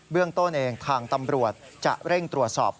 เรื่องต้นเองทางตำรวจจะเร่งตรวจสอบ